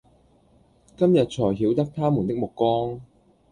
今天纔曉得他們的眼光，